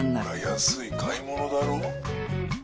安い買い物だろう？